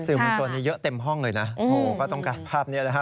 สื่อมวลชนนี้เยอะเต็มห้องเลยนะก็ต้องการภาพนี้แหละฮะ